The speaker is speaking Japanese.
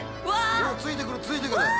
ついてくるついてくる！